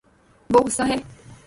وہ گصاہ ہے